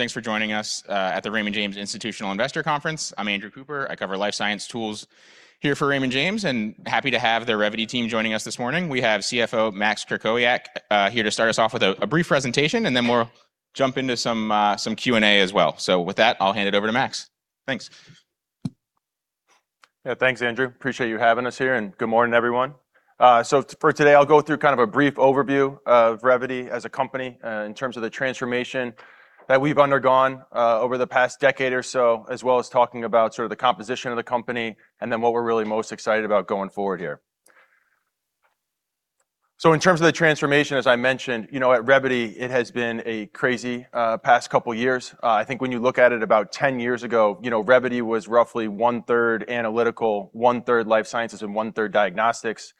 Thanks for joining us at the Raymond James Institutional Investor Conference. I'm Andrew Cooper. I cover life science tools here for Raymond James, and happy to have the Revvity team joining us this morning. We have CFO Max Krakowiak here to start us off with a brief presentation, and then we'll jump into some Q&A as well. With that, I'll hand it over to Max. Thanks. Thanks, Andrew. Appreciate you having us here, and good morning, everyone. For today, I'll go through kind of a brief overview of Revvity as a company, in terms of the transformation that we've undergone over the past decade or so, as well as talking about sort of the composition of the company and then what we're really most excited about going forward here. In terms of the transformation, as I mentioned, you know, at Revvity, it has been a crazy past couple years. I think when you look at it about 10 years ago, you know, Revvity was roughly one-third analytical, one-third life sciences, and one-third diagnostics.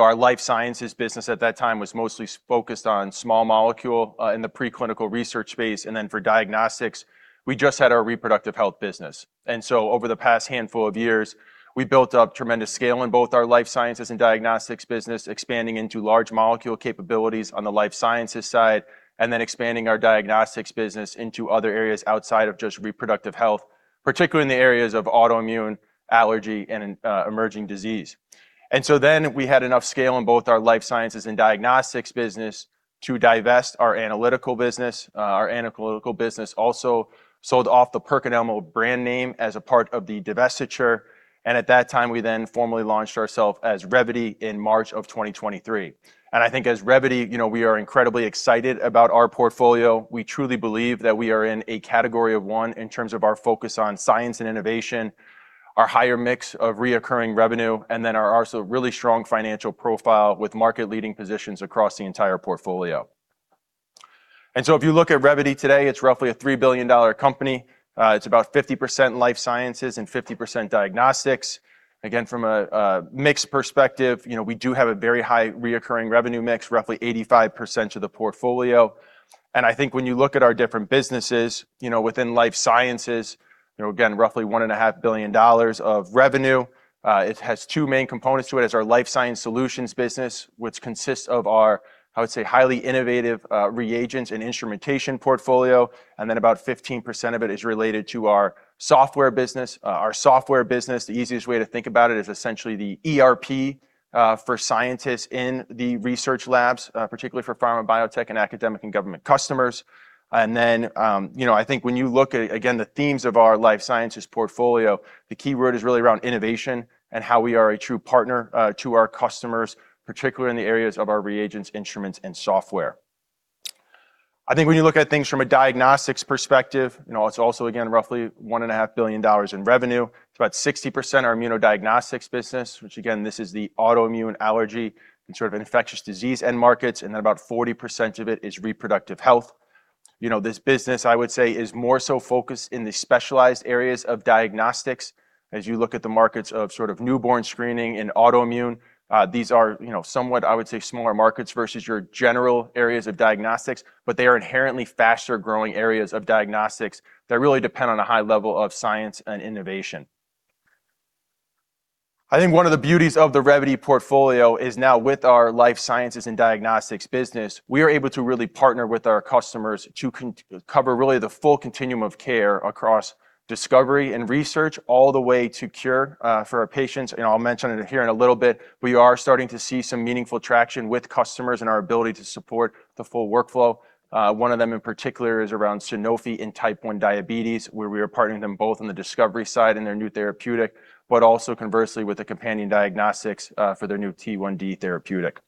Our life sciences business at that time was mostly focused on small molecule, in the preclinical research space, and then for diagnostics, we just had our reproductive health business. Over the past handful of years, we built up tremendous scale in both our life sciences and diagnostics business, expanding into large molecule capabilities on the life sciences side, then expanding our diagnostics business into other areas outside of just reproductive health, particularly in the areas of autoimmune, allergy, and emerging disease. Then we had enough scale in both our life sciences and diagnostics business to divest our analytical business. Our analytical business also sold off the PerkinElmer brand name as a part of the divestiture. At that time, we then formally launched ourself as Revvity in March 2023. I think as Revvity, you know, we are incredibly excited about our portfolio. We truly believe that we are in a category of one in terms of our focus on science and innovation, our higher mix of recurring revenue, and then our also really strong financial profile with market-leading positions across the entire portfolio. If you look at Revvity today, it's roughly a $3 billion company. It's about 50% life sciences and 50% diagnostics. Again, from a mix perspective, you know, we do have a very high recurring revenue mix, roughly 85% of the portfolio. I think when you look at our different businesses, you know, within life sciences, you know, again, roughly $1.5 billion of revenue. It has 2 main components to it. It's our life science solutions business, which consists of our, I would say, highly innovative reagents and instrumentation portfolio, and then about 15% of it is related to our software business. Our software business, the easiest way to think about it is essentially the ERP for scientists in the research labs, particularly for pharma, biotech, and academic and government customers. You know, I think when you look at, again, the themes of our life sciences portfolio, the keyword is really around innovation and how we are a true partner to our customers, particularly in the areas of our reagents, instruments, and software. I think when you look at things from a diagnostics perspective, you know, it's also, again, roughly $1.5 billion in revenue. It's about 60% our immunodiagnostics business, which again, this is the autoimmune allergy and sort of infectious disease end markets, and then about 40% of it is reproductive health. You know, this business, I would say, is more so focused in the specialized areas of diagnostics. As you look at the markets of sort of newborn screening and autoimmune, these are, you know, somewhat, I would say, smaller markets versus your general areas of diagnostics, but they are inherently faster-growing areas of diagnostics that really depend on a high level of science and innovation. I think one of the beauties of the Revvity portfolio is now with our life sciences and diagnostics business, we are able to really partner with our customers to cover really the full continuum of care across discovery and research all the way to cure for our patients. I'll mention it here in a little bit. We are starting to see some meaningful traction with customers and our ability to support the full workflow. One of them in particular is around Sanofi and type 1 diabetes, where we are partnering them both on the discovery side and their new therapeutic, but also conversely with the companion diagnostics for their new T1D therapeutic.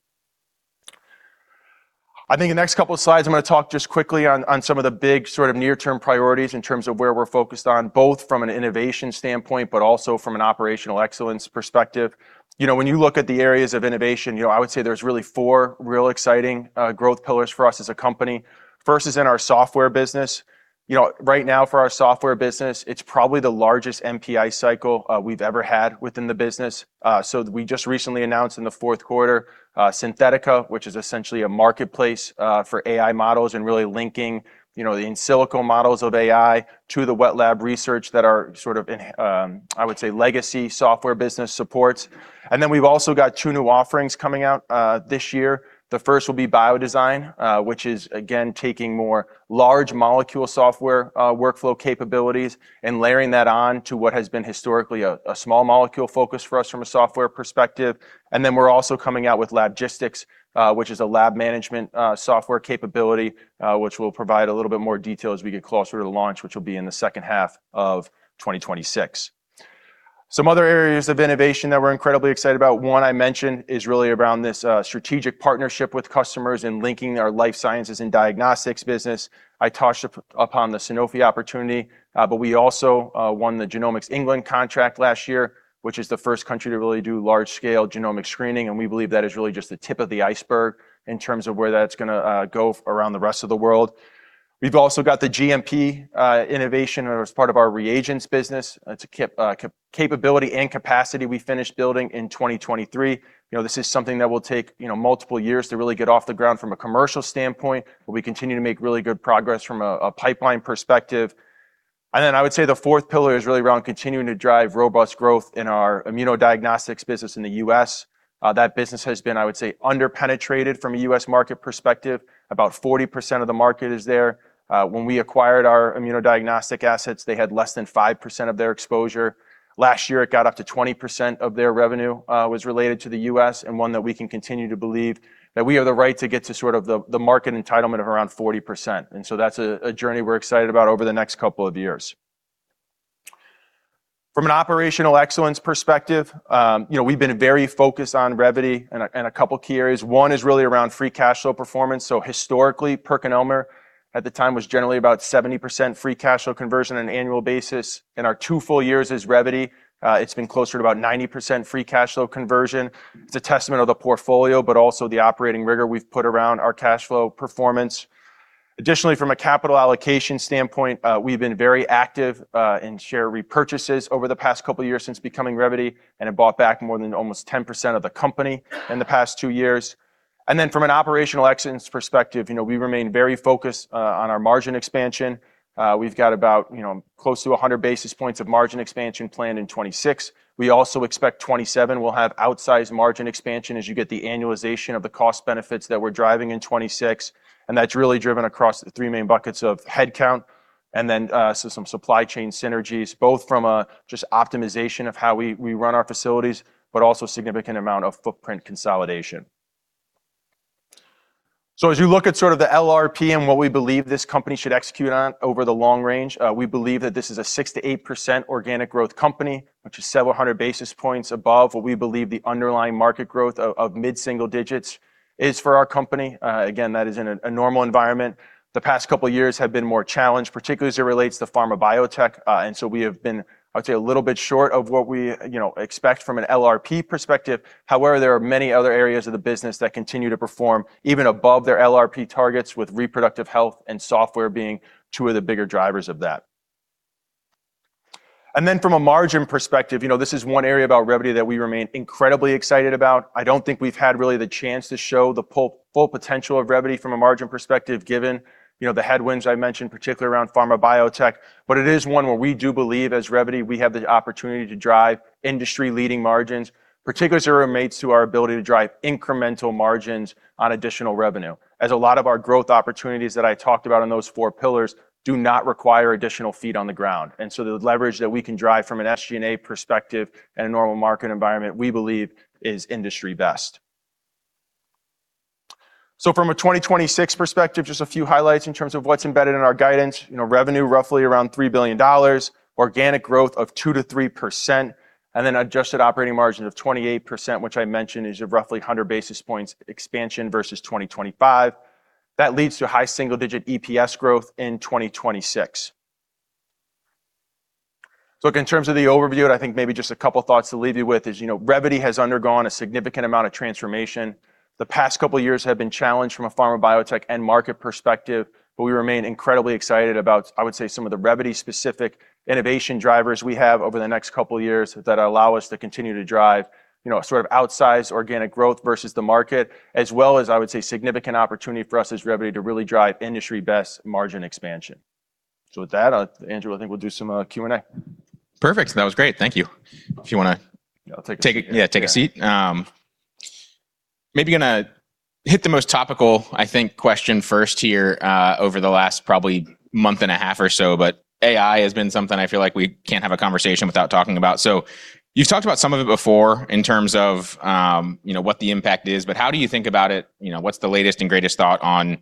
I think the next couple of slides, I'm gonna talk just quickly on some of the big sort of near-term priorities in terms of where we're focused on, both from an innovation standpoint, but also from an operational excellence perspective. You know, when you look at the areas of innovation, you know, I would say there's really 4 real exciting growth pillars for us as a company. First is in our software business. You know, right now for our software business, it's probably the largest NPI cycle we've ever had within the business. So we just recently announced in the fourth quarter, Xynthetica, which is essentially a marketplace for AI models and really linking, you know, the in silico models of AI to the wet lab research that our sort of I would say legacy software business supports. Then we've also got 2 new offerings coming out this year. The first will be BioDesign, which is again taking more large molecule software workflow capabilities and layering that on to what has been historically a small molecule focus for us from a software perspective. We're also coming out with Signals LabGistics, which is a lab management software capability, which we'll provide a little bit more detail as we get closer to the launch, which will be in the second half of 2026. Some other areas of innovation that we're incredibly excited about, one I mentioned is really around this strategic partnership with customers in linking our life sciences and diagnostics business. I touched up-upon the Sanofi opportunity, but we also won the Genomics England contract last year, which is the first country to really do large-scale genomic screening, and we believe that is really just the tip of the iceberg in terms of where that's gonna go around the rest of the world. We've also got the GMP innovation as part of our reagents business. It's a capability and capacity we finished building in 2023. You know, this is something that will take, you know, multiple years to really get off the ground from a commercial standpoint, but we continue to make really good progress from a pipeline perspective. Then I would say the fourth pillar is really around continuing to drive robust growth in our immunodiagnostics business in the U.S. That business has been, I would say, under-penetrated from a U.S. market perspective. About 40% of the market is there. When we acquired our immunodiagnostic assets, they had less than 5% of their exposure. Last year, it got up to 20% of their revenue was related to the U.S. and one that we can continue to believe that we have the right to get to sort of the market entitlement of around 40%. That's a journey we're excited about over the next couple of years. From an operational excellence perspective, you know, we've been very focused on Revvity in a couple key areas. One is really around free cash flow performance. Historically, PerkinElmer at the time was generally about 70% free cash flow conversion on an annual basis. In our 2 full years as Revvity, it's been closer to about 90% free cash flow conversion. It's a testament of the portfolio, but also the operating rigor we've put around our cash flow performance. Additionally, from a capital allocation standpoint, we've been very active in share repurchases over the past couple of years since becoming Revvity, and have bought back more than almost 10% of the company in the past 2 years. From an operational excellence perspective, you know, we remain very focused on our margin expansion. We've got about, you know, close to 100 basis points of margin expansion planned in 2026. We also expect 2027 will have outsized margin expansion as you get the annualization of the cost benefits that we're driving in 2026, and that's really driven across the three main buckets of headcount and then so some supply chain synergies, both from a just optimization of how we run our facilities, but also significant amount of footprint consolidation. As you look at sort of the LRP and what we believe this company should execute on over the long range, we believe that this is a 6%-8% organic growth company, which is several hundred basis points above what we believe the underlying market growth of mid-single digits is for our company. Again, that is in a normal environment. The past couple of years have been more challenged, particularly as it relates to pharma biotech. We have been, I would say, a little bit short of what we, you know, expect from an LRP perspective. However, there are many other areas of the business that continue to perform even above their LRP targets, with reproductive health and software being two of the bigger drivers of that. From a margin perspective, you know, this is one area about Revvity that we remain incredibly excited about. I don't think we've had really the chance to show the full potential of Revvity from a margin perspective, given, you know, the headwinds I mentioned, particularly around pharma biotech. It is one where we do believe as Revvity, we have the opportunity to drive industry-leading margins, particularly as it relates to our ability to drive incremental margins on additional revenue, as a lot of our growth opportunities that I talked about on those four pillars do not require additional feet on the ground. The leverage that we can drive from an SG&A perspective in a normal market environment, we believe is industry best. From a 2026 perspective, just a few highlights in terms of what's embedded in our guidance. You know, revenue roughly around $3 billion, organic growth of 2%-3%, adjusted operating margin of 28%, which I mentioned is a roughly 100 basis points expansion versus 2025. That leads to high single-digit EPS growth in 2026. Look, in terms of the overview, and I think maybe just a couple thoughts to leave you with is, you know, Revvity has undergone a significant amount of transformation. The past couple of years have been challenged from a pharma biotech end market perspective. We remain incredibly excited about, I would say, some of the Revvity-specific innovation drivers we have over the next couple of years that allow us to continue to drive, you know, sort of outsized organic growth versus the market, as well as, I would say, significant opportunity for us as Revvity to really drive industry-best margin expansion. With that, Andrew, I think we'll do some Q&A. Perfect. That was great. Thank you. If you wanna- I'll take a seat, yeah. Take a, yeah, take a seat. Maybe gonna hit the most topical, I think, question first here, over the last probably month and a half or so, AI has been something I feel like we can't have a conversation without talking about. You've talked about some of it before in terms of, you know, what the impact is, but how do you think about it? You know, what's the latest and greatest thought on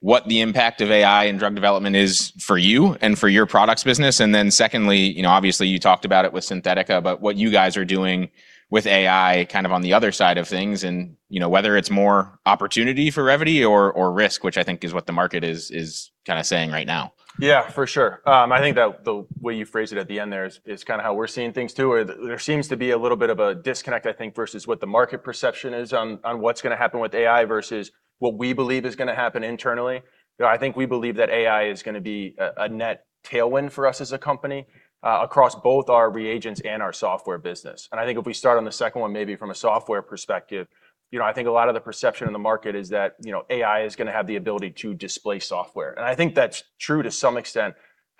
what the impact of AI in drug development is for you and for your products business? Secondly, you know, obviously you talked about it with Xynthetica, but what you guys are doing with AI kind of on the other side of things and, you know, whether it's more opportunity for Revvity or risk, which I think is what the market is kinda saying right now. Yeah, for sure. I think that the way you phrased it at the end there is kinda how we're seeing things too. There, there seems to be a little bit of a disconnect, I think, versus what the market perception is on what's gonna happen with AI versus what we believe is gonna happen internally. You know, I think we believe that AI is gonna be a net tailwind for us as a company, across both our reagents and our software business. I think if we start on the second one, maybe from a software perspective, you know, I think a lot of the perception in the market is that, you know, AI is gonna have the ability to displace software, and I think that's true to some extent.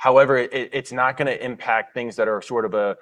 It's not gonna impact things that are sort of a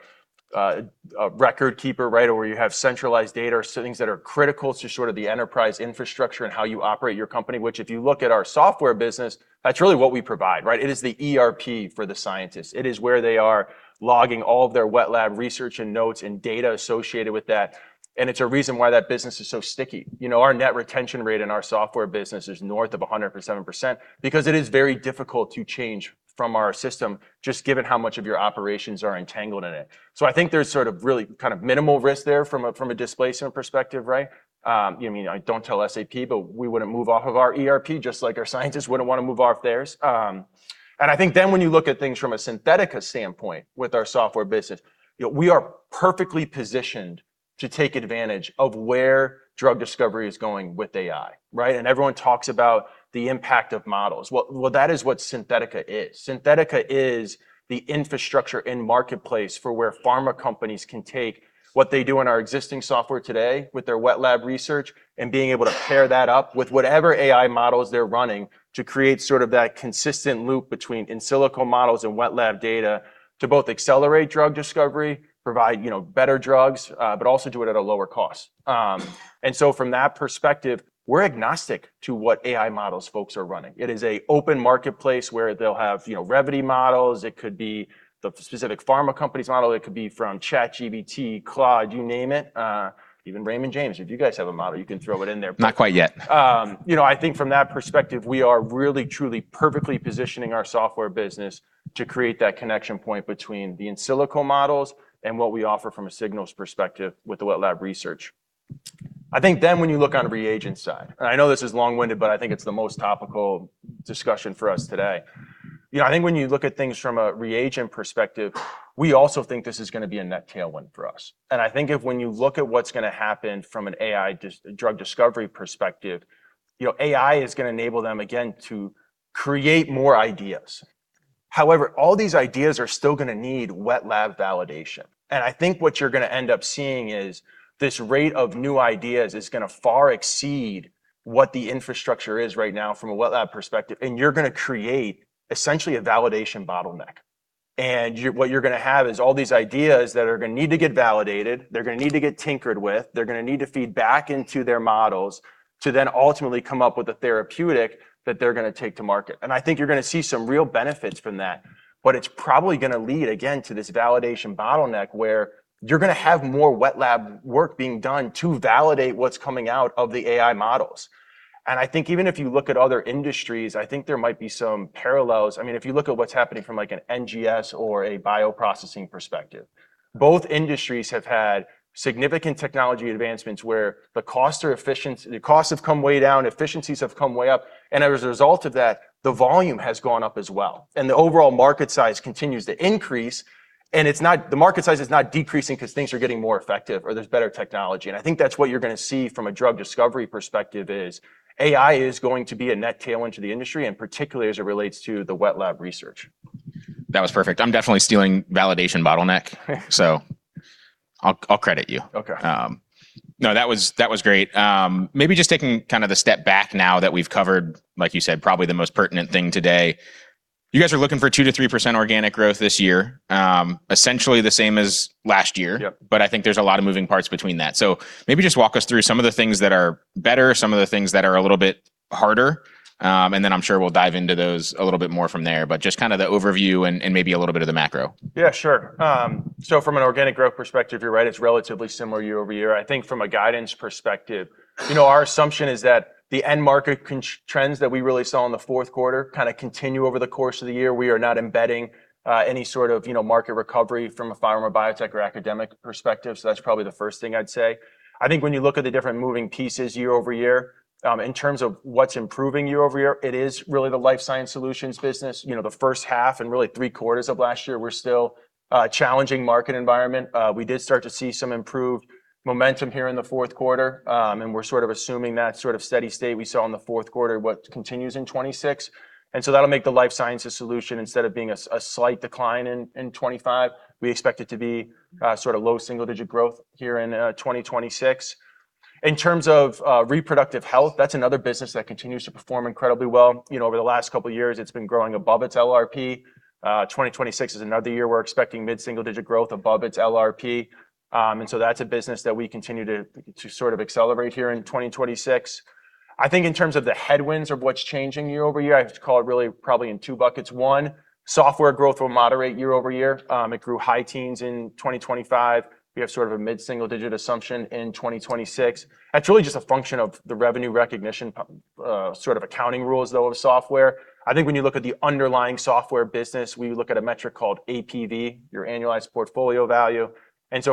record keeper, right, or where you have centralized data, so things that are critical to sort of the enterprise infrastructure and how you operate your company. If you look at our software business, that's really what we provide, right? It is the ERP for the scientists. It is where they are logging all of their wet lab research and notes and data associated with that, and it's a reason why that business is so sticky. You know, our net retention rate in our software business is north of 100% because it is very difficult to change from our system just given how much of your operations are entangled in it. I think there's sort of really kind of minimal risk there from a displacement perspective, right? You know what I mean? Don't tell SAP, but we wouldn't move off of our ERP just like our scientists wouldn't wanna move off theirs. I think then when you look at things from a Xynthetica standpoint with our software business, you know, we are perfectly positioned to take advantage of where drug discovery is going with AI, right? Everyone talks about the impact of models. Well that is what Xynthetica is. Xynthetica is the infrastructure and marketplace for where pharma companies can take what they do in our existing software today with their wet lab research, and being able to pair that up with whatever AI models they're running to create sort of that consistent loop between in silico models and wet lab data to both accelerate drug discovery, provide, you know, better drugs, but also do it at a lower cost. From that perspective, we're agnostic to what AI models folks are running. It is a open marketplace where they'll have, you know, Revvity models, it could be the specific pharma company's model, it could be from ChatGPT, Claude, you name it. Even Raymond James, if you guys have a model, you can throw it in there. Not quite yet. You know, I think from that perspective, we are really, truly, perfectly positioning our software business to create that connection point between the in silico models and what we offer from a Signals perspective with the wet lab research. When you look on reagent side, and I know this is long-winded, but I think it's the most topical discussion for us today. You know, I think when you look at things from a reagent perspective, we also think this is gonna be a net tailwind for us. I think if when you look at what's gonna happen from an AI drug discovery perspective, you know, AI is gonna enable them again to create more ideas. However, all these ideas are still gonna need wet lab validation. I think what you're going to end up seeing is this rate of new ideas is going to far exceed what the infrastructure is right now from a wet lab perspective, and you're going to create essentially a validation bottleneck. What you're going to have is all these ideas that are going to need to get validated, they're going to need to get tinkered with, they're going to need to feed back into their models to then ultimately come up with a therapeutic that they're going to take to market. I think you're going to see some real benefits from that, but it's probably going to lead, again, to this validation bottleneck where you're going to have more wet lab work being done to validate what's coming out of the AI models. I think even if you look at other industries, I think there might be some parallels. I mean, if you look at what's happening from like an NGS or a bioprocessing perspective, both industries have had significant technology advancements where the costs have come way down, efficiencies have come way up, and as a result of that, the volume has gone up as well. The overall market size continues to increase, and the market size is not decreasing 'cause things are getting more effective or there's better technology. I think that's what you're gonna see from a drug discovery perspective is AI is going to be a net tailwind to the industry, and particularly as it relates to the wet lab research. That was perfect. I'm definitely stealing validation bottleneck. I'll credit you. Okay. No, that was great. Maybe just taking kind of the step back now that we've covered, like you said, probably the most pertinent thing today. You guys are looking for 2%-3% organic growth this year. Essentially the same as last year. Yep. I think there's a lot of moving parts between that. Maybe just walk us through some of the things that are better, some of the things that are a little bit harder, and then I'm sure we'll dive into those a little bit more from there, but just kinda the overview and maybe a little bit of the macro. Yeah, sure. From an organic growth perspective, you're right, it's relatively similar year-over-year. I think from a guidance perspective, you know, our assumption is that the end market trends that we really saw in the fourth quarter kinda continue over the course of the year. We are not embedding any sort of, you know, market recovery from a pharma, biotech or academic perspective. That's probably the first thing I'd say. I think when you look at the different moving pieces year-over-year, in terms of what's improving year-over-year, it is really the life science solutions business. You know, the first half and really three quarters of last year were still a challenging market environment. We did start to see some improved momentum here in the fourth quarter, and we're sort of assuming that sort of steady state we saw in the fourth quarter, what continues in 2026. That'll make the life sciences solution, instead of being a slight decline in 2025, we expect it to be, sort of low single digit growth here in 2026. Reproductive health, that's another business that continues to perform incredibly well. You know, over the last couple of years, it's been growing above its LRP. 2026 is another year we're expecting mid-single digit growth above its LRP. That's a business that we continue to sort of accelerate here in 2026. I think in terms of the headwinds or what's changing year-over-year, I have to call it really probably in two buckets. One, software growth will moderate year-over-year. It grew high teens in 2025. We have sort of a mid-single-digit assumption in 2026. That's really just a function of the revenue recognition sort of accounting rules, though, of software. I think when you look at the underlying software business, we look at a metric called APV, your annualized portfolio value.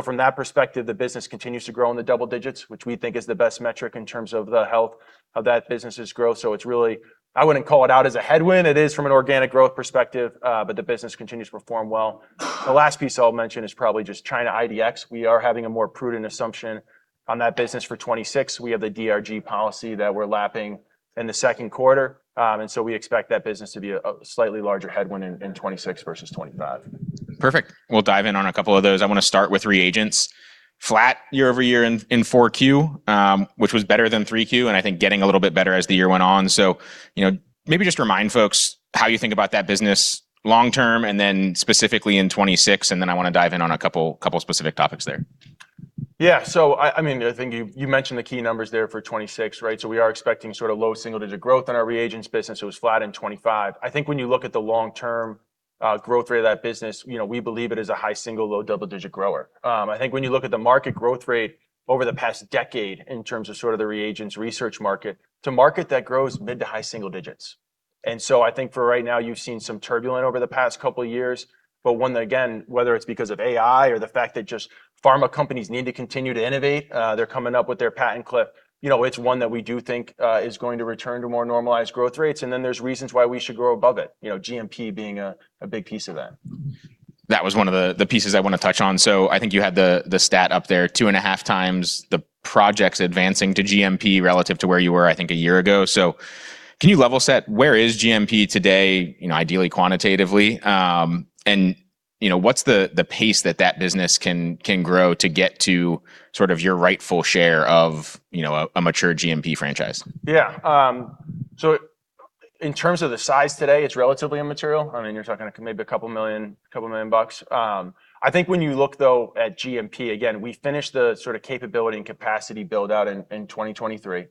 From that perspective, the business continues to grow in the double digits, which we think is the best metric in terms of the health of that business' growth. I wouldn't call it out as a headwind. It is from an organic growth perspective, but the business continues to perform well. The last piece I'll mention is probably just China IDX. We are having a more prudent assumption on that business for 2026. We have the DRG policy that we're lapping in the second quarter. We expect that business to be a slightly larger headwind in 2026 versus 2025. Perfect. We'll dive in on a couple of those. I wanna start with reagents. Flat year-over-year in 4Q, which was better than 3Q, and I think getting a little bit better as the year went on. You know, maybe just remind folks how you think about that business long term, and then specifically in 2026, and then I wanna dive in on a couple specific topics there. I mean, I think you mentioned the key numbers there for 2026, right? We are expecting sort of low single-digit growth in our reagents business. It was flat in 2025. I think when you look at the long-term growth rate of that business, you know, we believe it is a high single-digit, low double-digit grower. I think when you look at the market growth rate over the past decade in terms of sort of the reagents research market, it's a market that grows mid- to high single-digits. I think for right now, you've seen some turbulent over the past 2 years, but one that again, whether it's because of AI or the fact that just pharma companies need to continue to innovate, they're coming up with their patent cliff, you know, it's one that we do think is going to return to more normalized growth rates, and then there's reasons why we should grow above it, you know, GMP being a big piece of that. That was one of the pieces I wanna touch on. I think you had the stat up there, 2.5x the projects advancing to GMP relative to where you were, I think, a year ago. Can you level set? Where is GMP today, you know, ideally quantitatively? You know, what's the pace that that business can grow to get to sort of your rightful share of, you know, a mature GMP franchise? Yeah. In terms of the size today, it's relatively immaterial. I mean, you're talking maybe a couple million dollars. I think when you look though at GMP, again, we finish the sort of capability and capacity build-out in 2023.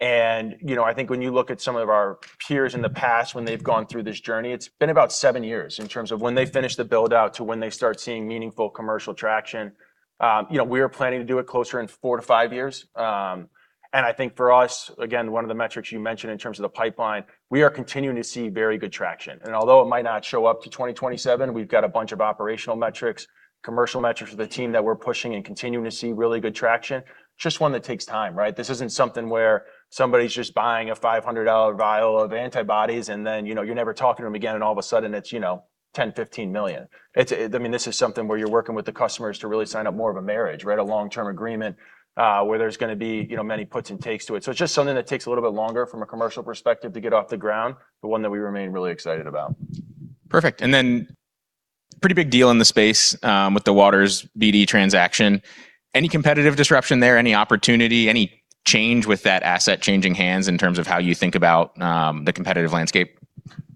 You know, I think when you look at some of our peers in the past when they've gone through this journey, it's been about 7 years in terms of when they finish the build-out to when they start seeing meaningful commercial traction. You know, we are planning to do it closer in 4 to 5 years. I think for us, again, one of the metrics you mentioned in terms of the pipeline, we are continuing to see very good traction. Although it might not show up to 2027, we've got a bunch of operational metrics, commercial metrics with the team that we're pushing and continuing to see really good traction. Just one that takes time, right? This isn't something where somebody's just buying a $500 vial of antibodies and then, you know, you're never talking to them again, and all of a sudden it's, you know, $10 million-$15 million. It's, I mean, this is something where you're working with the customers to really sign up more of a marriage, right? A long-term agreement, where there's gonna be, you know, many puts and takes to it. It's just something that takes a little bit longer from a commercial perspective to get off the ground, but one that we remain really excited about. Perfect. Pretty big deal in the space with the Waters BD transaction. Any competitive disruption there? Any opportunity? Any change with that asset changing hands in terms of how you think about the competitive landscape?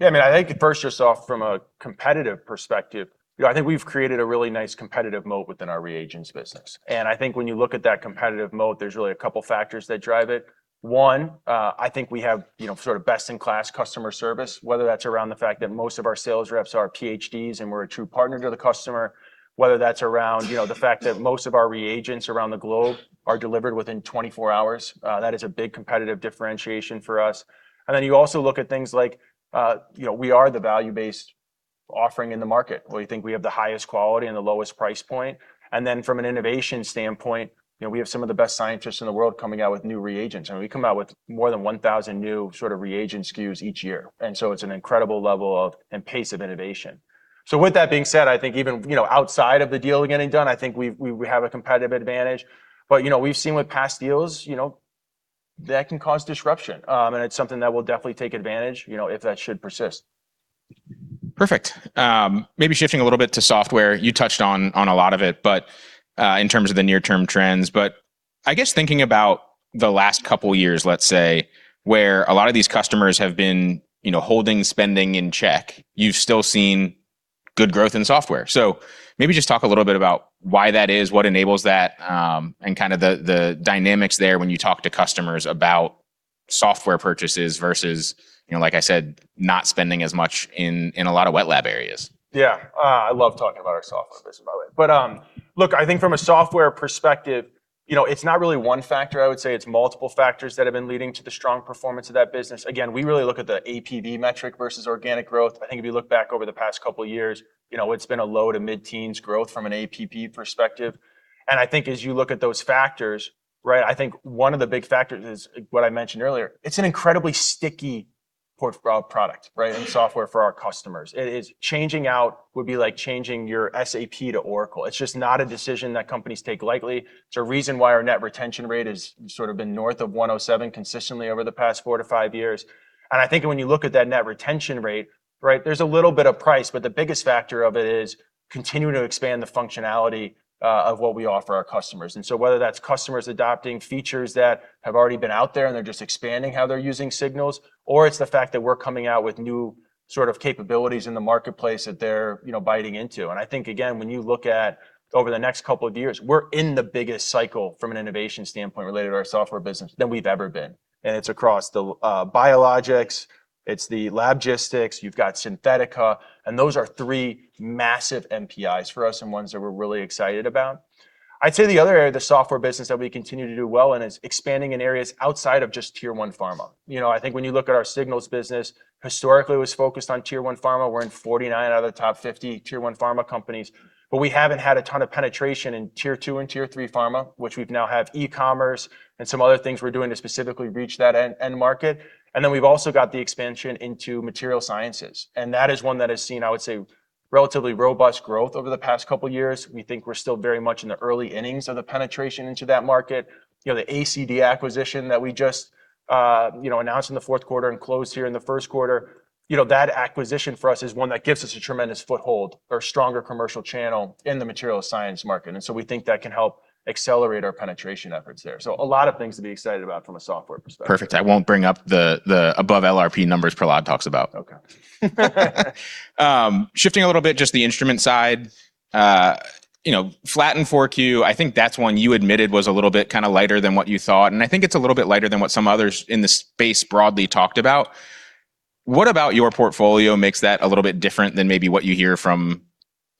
Yeah. I mean, I think first just off from a competitive perspective, you know, I think we've created a really nice competitive moat within our reagents business. I think when you look at that competitive moat, there's really a couple factors that drive it. One, I think we have, you know, sort of best-in-class customer service, whether that's around the fact that most of our sales reps are PhDs and we're a true partner to the customer, whether that's around, you know, the fact that most of our reagents around the globe are delivered within 24 hours. That is a big competitive differentiation for us. You also look at things like, you know, we are the value-based offering in the market. We think we have the highest quality and the lowest price point. Then from an innovation standpoint, you know, we have some of the best scientists in the world coming out with new reagents. I mean, we come out with more than 1,000 new sort of reagent SKUs each year. So it's an incredible level of and pace of innovation. With that being said, I think even, you know, outside of the deal getting done, I think we have a competitive advantage. You know, we've seen with past deals, you know, that can cause disruption. It's something that we'll definitely take advantage, you know, if that should persist. Perfect. Maybe shifting a little bit to software. You touched on a lot of it, in terms of the near-term trends. I guess thinking about the last couple years, let's say, where a lot of these customers have been, you know, holding spending in check, you've still seen good growth in software. Maybe just talk a little bit about why that is, what enables that, and kinda the dynamics there when you talk to customers about software purchases versus, you know, like I said, not spending as much in a lot of wet lab areas. I love talking about our software business, by the way. Look, I think from a software perspective, you know, it's not really one factor, I would say it's multiple factors that have been leading to the strong performance of that business. Again, we really look at the APV metric versus organic growth. I think if you look back over the past couple of years, you know, it's been a low to mid-teens growth from an APP perspective. I think as you look at those factors, right, I think one of the big factors is what I mentioned earlier. It's an incredibly sticky product, right, and software for our customers. Changing out would be like changing your SAP to Oracle. It's just not a decision that companies take lightly. It's a reason why our net retention rate has sort of been north of 107 consistently over the past 4-5 years. I think when you look at that net retention rate, right, there's a little bit of price, but the biggest factor of it is continuing to expand the functionality of what we offer our customers. Whether that's customers adopting features that have already been out there and they're just expanding how they're using Signals, or it's the fact that we're coming out with new sort of capabilities in the marketplace that they're, you know, biting into. I think, again, when you look at over the next couple of years, we're in the biggest cycle from an innovation standpoint related to our software business than we've ever been. It's across the biologics, it's the Signals LabGistics, you've got Signals Xynthetica, and those are 3 massive NPIs for us and ones that we're really excited about. I'd say the other area of the software business that we continue to do well in is expanding in areas outside of just tier 1 pharma. You know, I think when you look at our Signals business, historically it was focused on tier 1 pharma. We're in 49 out of the top 50 tier 1 pharma companies, but we haven't had a ton of penetration in tier 2 and tier 3 pharma, which we now have e-commerce and some other things we're doing to specifically reach that end market. Then we've also got the expansion into material sciences, and that is one that has seen, I would say, relatively robust growth over the past couple years. We think we're still very much in the early innings of the penetration into that market. You know, the ACD acquisition that we just, you know, announced in the fourth quarter and closed here in the first quarter, you know, that acquisition for us is one that gives us a tremendous foothold or stronger commercial channel in the material science market. We think that can help accelerate our penetration efforts there. A lot of things to be excited about from a software perspective. Perfect. I won't bring up the above LRP numbers Prahlad talks about. Okay. Shifting a little bit, just the instrument side. You know, flattened 4Q, I think that's one you admitted was a little bit kinda lighter than what you thought, and I think it's a little bit lighter than what some others in the space broadly talked about. What about your portfolio makes that a little bit different than maybe what you hear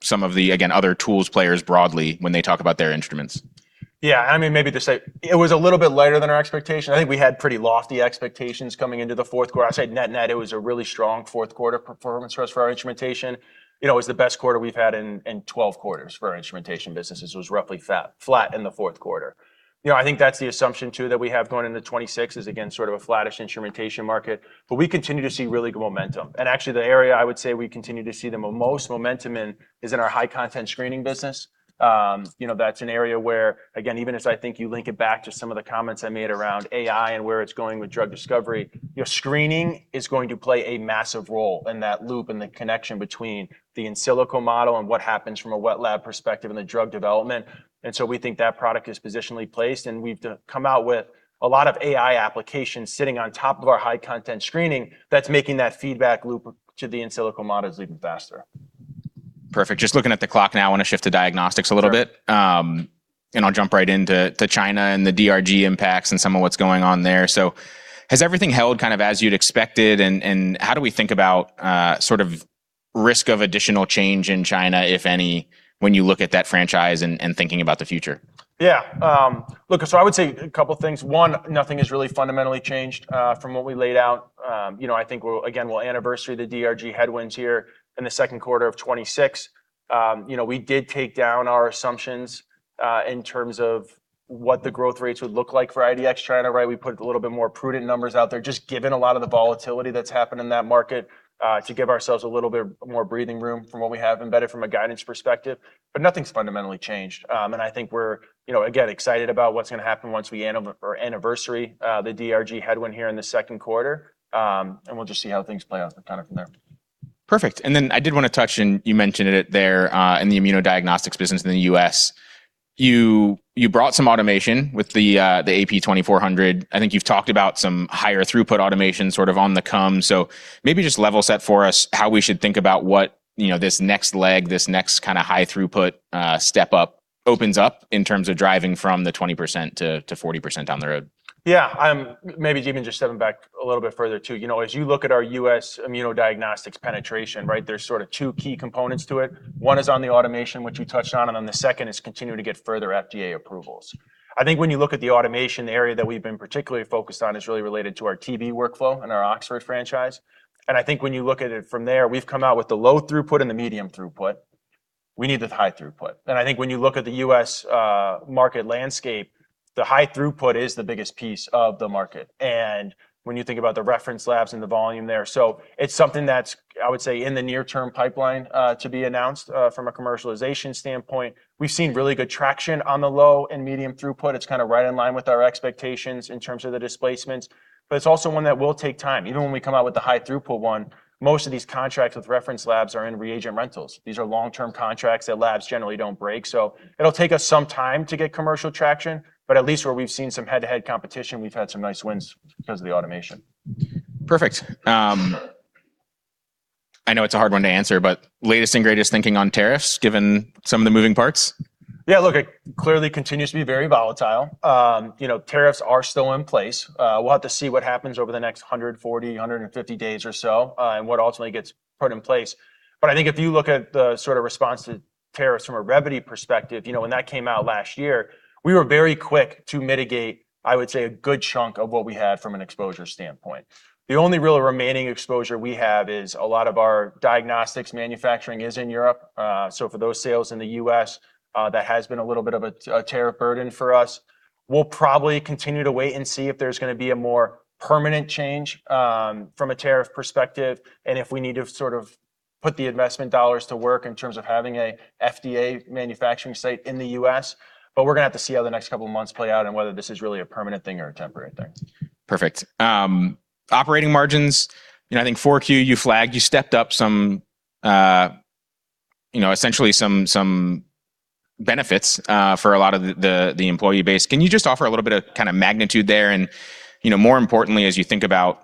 from-Some of the, again, other tools players broadly when they talk about their instruments? Yeah, I mean, maybe just say it was a little bit lighter than our expectation. I think we had pretty lofty expectations coming into the fourth quarter. I'd say net-net, it was a really strong fourth quarter performance for us for our instrumentation. You know, it was the best quarter we've had in 12 quarters for our instrumentation business. This was roughly flat in the fourth quarter. You know, I think that's the assumption too that we have going into 2026 is, again, sort of a flattish instrumentation market. We continue to see really good momentum. Actually, the area I would say we continue to see the most momentum in is in our high content screening business. You know, that's an area where, again, even as I think you link it back to some of the comments I made around AI and where it's going with drug discovery, your screening is going to play a massive role in that loop and the connection between the in silico model and what happens from a wet lab perspective in the drug development. We think that product is positionally placed, and we've come out with a lot of AI applications sitting on top of our high content screening that's making that feedback loop to the in silico models even faster. Perfect. Just looking at the clock now, I want to shift to diagnostics a little bit. Sure. I'll jump right into China and the DRG impacts and some of what's going on there. Has everything held kind of as you'd expected, and how do we think about, sort of risk of additional change in China, if any, when you look at that franchise and thinking about the future? Yeah. look, I would say 2 things. One, nothing has really fundamentally changed from what we laid out. you know, I think we'll again anniversary the DRG headwinds here in the second quarter of 2026. you know, we did take down our assumptions in terms of what the growth rates would look like for IDX China, right? We put a little bit more prudent numbers out there, just given a lot of the volatility that's happened in that market to give ourselves a little bit more breathing room from what we have embedded from a guidance perspective. Nothing's fundamentally changed. I think we're, you know, again, excited about what's gonna happen once we anniversary the DRG headwind here in the second quarter. We'll just see how things play out kind of from there. Perfect. I did wanna touch, and you mentioned it there, in the immunodiagnostics business in the U.S. You brought some automation with the AP2400. I think you've talked about some higher throughput automation sort of on the come. Maybe just level set for us how we should think about what, you know, this next leg, this next kind of high throughput step up opens up in terms of driving from the 20% to 40% down the road. Yeah, maybe even just stepping back a little bit further too. You know, as you look at our U.S. immunodiagnostics penetration, right? There's sort of 2 key components to it. One is on the automation, which we touched on. The second is continuing to get further FDA approvals. I think when you look at the automation area that we've been particularly focused on is really related to our TB workflow and our Oxford franchise. I think when you look at it from there, we've come out with the low throughput and the medium throughput. We need the high throughput. I think when you look at the U.S. market landscape, the high throughput is the biggest piece of the market. When you think about the reference labs and the volume there. It's something that's, I would say, in the near term pipeline, to be announced, from a commercialization standpoint. We've seen really good traction on the low and medium throughput. It's kinda right in line with our expectations in terms of the displacements. It's also one that will take time. Even when we come out with the high throughput one, most of these contracts with reference labs are in reagent rentals. These are long-term contracts that labs generally don't break. It'll take us some time to get commercial traction, but at least where we've seen some head-to-head competition, we've had some nice wins because of the automation. Perfect. I know it's a hard one to answer, but latest and greatest thinking on tariffs, given some of the moving parts? Look, it clearly continues to be very volatile. You know, tariffs are still in place. We'll have to see what happens over the next 140, 150 days or so, and what ultimately gets put in place. I think if you look at the sort of response to tariffs from a Revvity perspective, you know, when that came out last year, we were very quick to mitigate, I would say, a good chunk of what we had from an exposure standpoint. The only real remaining exposure we have is a lot of our diagnostics manufacturing is in Europe. For those sales in the U.S., that has been a little bit of a tariff burden for us. We'll probably continue to wait and see if there's gonna be a more permanent change, from a tariff perspective and if we need to sort of put the investment dollars to work in terms of having a FDA manufacturing site in the U.S. We're gonna have to see how the next couple of months play out and whether this is really a permanent thing or a temporary thing. Perfect. Operating margins, you know, I think 4Q, you flagged, you stepped up some, you know, essentially some benefits for a lot of the employee base. Can you just offer a little bit of kinda magnitude there? You know, more importantly, as you think about,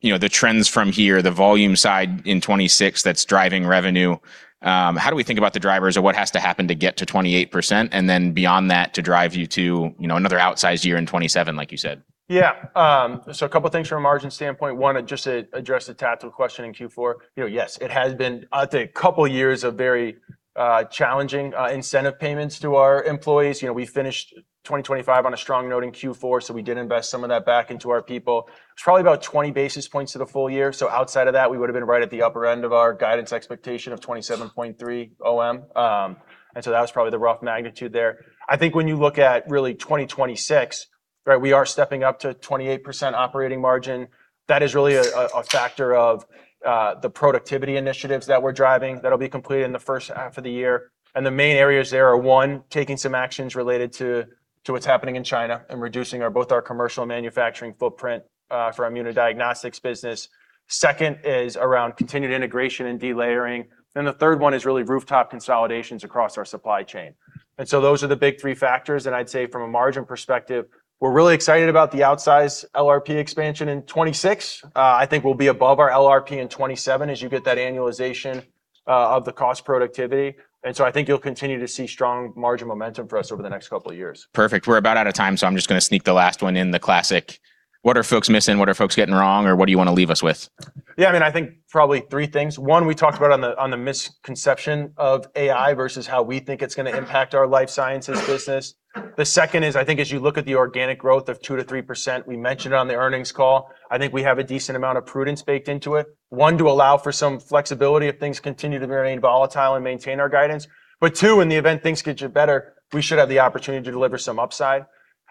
you know, the trends from here, the volume side in 2026 that's driving revenue, how do we think about the drivers of what has to happen to get to 28% and then beyond that to drive you to, you know, another outsized year in 2027, like you said? A couple things from a margin standpoint. One, just to address the tactical question in Q4. You know, yes, it has been, I think, a couple of years of very challenging incentive payments to our employees. You know, we finished 2025 on a strong note in Q4, we did invest some of that back into our people. It's probably about 20 basis points to the full year. Outside of that, we would've been right at the upper end of our guidance expectation of 27.3% OM. That was probably the rough magnitude there. When you look at really 2026, right, we are stepping up to 28% operating margin. That is really a factor of the productivity initiatives that we're driving that'll be completed in the first half of the year. The main areas there are, one, taking some actions related to what's happening in China and reducing our, both our commercial and manufacturing footprint for our immunodiagnostics business. Second is around continued integration and delayering. The third one is really rooftop consolidations across our supply chain. Those are the big three factors, and I'd say from a margin perspective, we're really excited about the outsized LRP expansion in 2026. I think we'll be above our LRP in 2027 as you get that annualization of the cost productivity. I think you'll continue to see strong margin momentum for us over the next couple of years. Perfect. We're about out of time, so I'm just gonna sneak the last one in, the classic what are folks missing, what are folks getting wrong, or what do you wanna leave us with? Yeah, I mean, I think probably three things. One, we talked about on the misconception of AI versus how we think it's gonna impact our life sciences business. The second is, I think as you look at the organic growth of 2% to 3%, we mentioned it on the earnings call, I think we have a decent amount of prudence baked into it. One, to allow for some flexibility if things continue to remain volatile and maintain our guidance. Two, in the event things get better, we should have the opportunity to deliver some upside.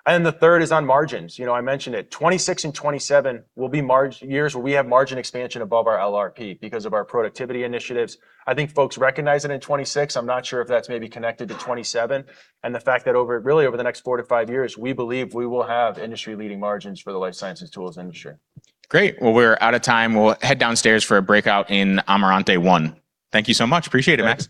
Then the third is on margins. You know, I mentioned it. 2026 and 2027 will be years where we have margin expansion above our LRP because of our productivity initiatives. I think folks recognize it in 2026. I'm not sure if that's maybe connected to 2027 and the fact that over, really over the next 4 to 5 years, we believe we will have industry-leading margins for the life sciences tools industry. Great. Well, we're out of time. We'll head downstairs for a breakout in Amarante 1. Thank you so much. Appreciate it, Max.